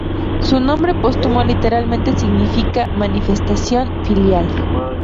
Su nombre póstumo literalmente significa "manifestación filial".